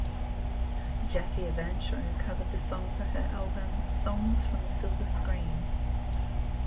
Jackie Evancho covered the song for her album "Songs from the Silver Screen".